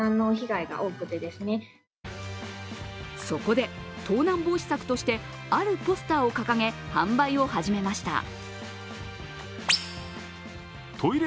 そこで盗難防止策としてあるポスターを掲げ販売を始めました。